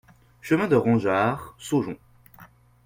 Chemin de Rangeard, Saujon